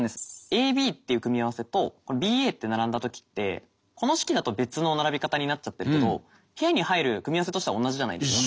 ＡＢっていう組み合わせとＢＡって並んだ時ってこの式だと別の並び方になっちゃってるけど部屋に入る組み合わせとしては同じじゃないですか。